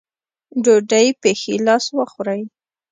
ډوډۍ پۀ ښي لاس وخورئ ـ